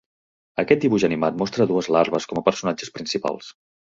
Aquest dibuix animat mostra dues larves com a personatges principals.